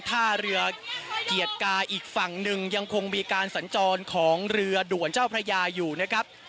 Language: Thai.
ท่าเรือเกียรติกาอีกฝั่งหนึ่งยังคงมีการสัญจรของเรือด่วนเจ้าพระยาอยู่นะครับ